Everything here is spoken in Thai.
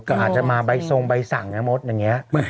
อาจจะมาส่งใบสั่งอย่างนี้